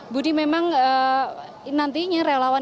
budi memang nantinya relawan ini akan diberikan kepada presiden jokowi dodo